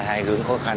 hai hướng khó khăn